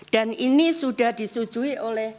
dan ini sudah disetujui